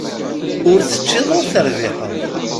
Ur teččiḍ ur terbiḥeḍ.